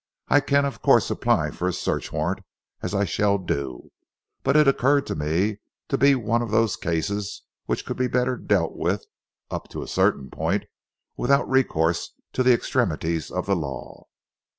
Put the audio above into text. I can of course apply for a search warrant, as I shall do, but it occurred to me to be one of those cases which could be better dealt with, up to a certain point, without recourse to the extremities of the law."